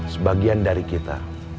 sebagian dari kita